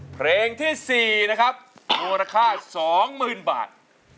เพลงที่๔นะครับโน้นราคา๒๐๐๐๐บาท